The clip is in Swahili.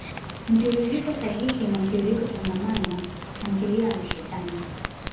mtiririko sahili na mtiririko changamano. Tamthilia ya mashetani.